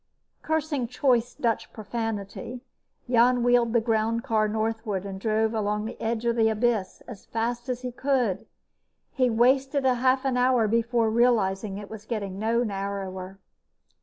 Cursing choice Dutch profanity, Jan wheeled the groundcar northward and drove along the edge of the abyss as fast as he could. He wasted half an hour before realizing that it was getting no narrower.